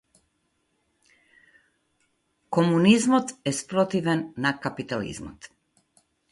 Комунизмот е спротивен на капитализмот.